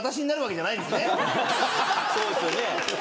そうですよね。